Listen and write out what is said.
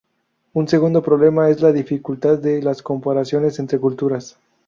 Un segundo problema es la dificultad de las comparaciones entre culturas.